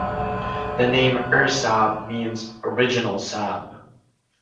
The name "Ursaab" means "original Saab".